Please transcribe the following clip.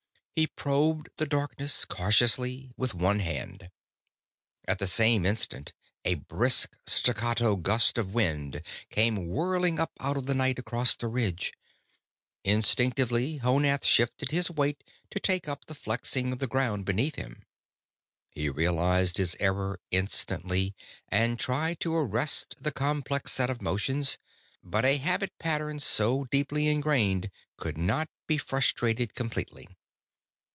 He probed the darkness cautiously with one hand. At the same instant, a brisk, staccato gust of wind came whirling up out of the night across the ridge. Instinctively, Honath shifted his weight to take up the flexing of the ground beneath him. He realized his error instantly and tried to arrest the complex set of motions, but a habit pattern so deeply ingrained could not be frustrated completely.